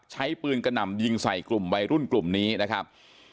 ใช้ปืนกระหน่ำยิงใส่กลุ่มวัยรุ่นกลุ่มนี้นะครับ